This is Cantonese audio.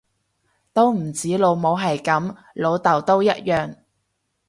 都唔止老母係噉，老竇都一樣